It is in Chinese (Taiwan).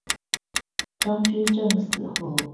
張居正死後